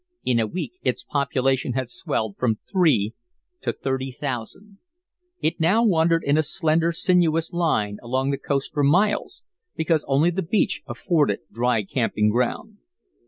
In a week its population had swelled from three to thirty thousand. It now wandered in a slender, sinuous line along the coast for miles, because only the beach afforded dry camping ground.